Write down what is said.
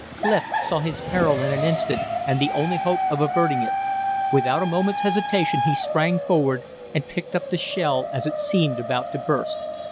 Clif saw his peril in an instant and the only hope of averting it. Without a moment's hesitation he sprang forward and picked up the shell as it seemed about to burst.